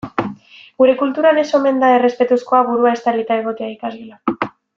Gure kulturan ez omen da errespetuzkoa burua estalita egotea ikasgelan.